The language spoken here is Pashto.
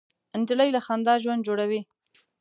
نجلۍ له خندا ژوند جوړوي.